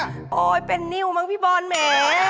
โอ๊ยเป็นนิ้วมั้งพี่บอลแหม